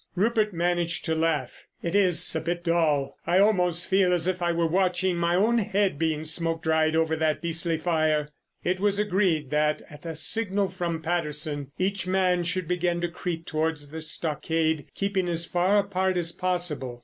Rupert managed to laugh. "It is a bit dull. I almost feel as if I were watching my own head being smoke dried over that beastly fire." It was agreed that at a signal from Patterson each man should begin to creep towards the stockade, keeping as far apart as possible.